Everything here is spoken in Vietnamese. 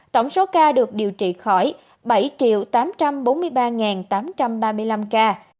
tổng số ca được điều trị khỏi bảy tám trăm bốn mươi ba tám trăm ba mươi năm ca